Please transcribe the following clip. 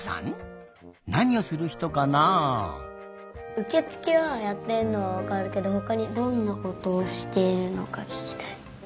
うけつけはやってんのはわかるけどほかにどんなことをしているのかききたい。